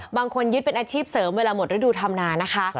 บางคนยึดเป็นอาชีพเสริมเวลาหมดฤดูธรรมนานะคะ